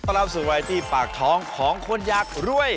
ต้องรับสุขวัยที่ปากท้องของคนยากรวย